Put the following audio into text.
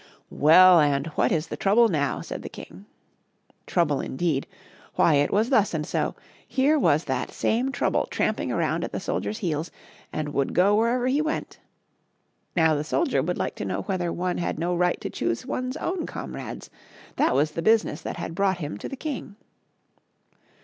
" Well, and what is the trouble now ?'* said the king. Trouble indeed ! Why, it was thus and so , here was that same Trouble tramping around at the soldier*s heels and would go wherever he went. Now, the soldier would like to know whether one had no right to choose one's own comrades — that was the business that had brought him to the king!